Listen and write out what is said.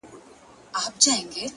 o اوس كرۍ ورځ زه شاعري كومه؛